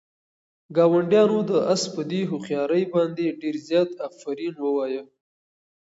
ګاونډیانو د آس په دې هوښیارۍ باندې ډېر زیات آفرین ووایه.